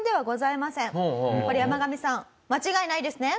これヤマガミさん間違いないですね？